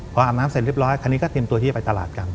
พออาบน้ำเสร็จเรียบร้อยคันนี้ก็เตรียมตัวที่จะไปตลาดกัน